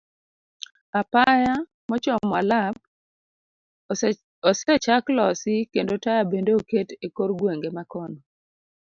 Apaya mochomo alap osechak losi kendo taya bende oket e kor gwenge makono.